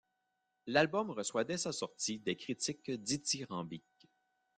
L'album reçoit dès sa sortie des critiques dithyrambiques.